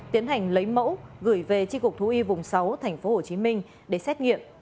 tiến hành lấy mẫu gửi về tri cục thú y vùng sáu thành phố hồ chí minh để xét nghiệm